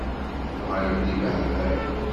Tuɣalem d imehbal?